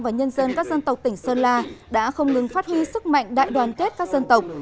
và nhân dân các dân tộc tỉnh sơn la đã không ngừng phát huy sức mạnh đại đoàn kết các dân tộc